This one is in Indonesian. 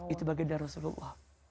itu baginda rasulullah